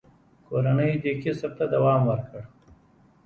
کورنۍ دې کسب ته دوام ورکړ.